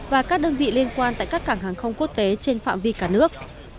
và các đơn vị liên quan tại các cảng hàng không quốc tế trên phạm vi cả nước